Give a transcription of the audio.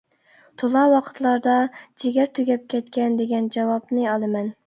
تولا ۋاقىتلاردا جىگەر تۈگەپ كەتكەن دېگەن جاۋابنى ئالىمەن.